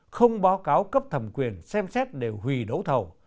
không báo cáo cấp thẩm quyền xem xét để hủy đấu thầu